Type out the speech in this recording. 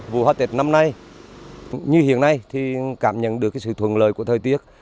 vụ hoa tết năm nay như hiện nay thì cảm nhận được sự thuận lợi của thời tiết